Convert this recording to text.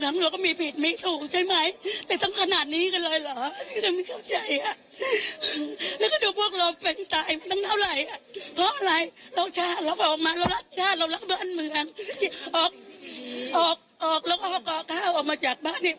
เราแรกประเทศนี้แล้วก็เราก็ทำนี่